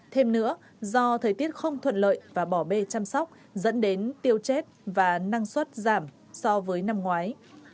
thêm nữa do thời tiết không thuận lợi và bỏ bê chăm sóc dẫn đến tiêu chết và năng suất giảm so với năm ngoái